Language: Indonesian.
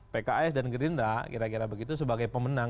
pks dan gerindra kira kira begitu sebagai pemenang